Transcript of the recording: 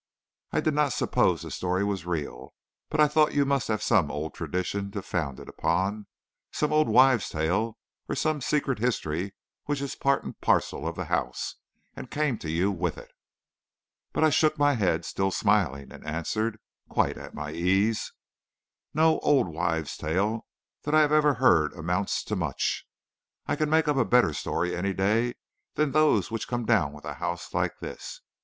"I did not suppose the story was real, but I thought you must have some old tradition to found it upon; some old wife's tale or some secret history which is a part and parcel of the house, and came to you with it." But I shook my head, still smiling, and answered, quite at my ease: "No old wife's tale that I have ever heard amounts to much. I can make up a better story any day than those which come down with a house like this.